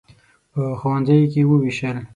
په ښوونځیو کې ووېشل.